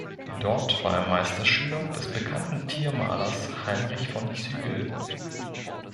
Dort war er Meisterschüler des bekannten Tiermalers Heinrich von Zügel.